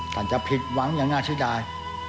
ท่านจะผิดหวังอย่างนั้นที่ได้